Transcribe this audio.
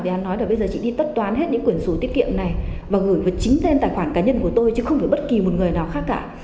chị đã nói là bây giờ chị đi tất toán hết những quyển sổ tiết kiệm này và gửi vào chính thêm tài khoản cá nhân của tôi chứ không phải bất kỳ một người nào khác cả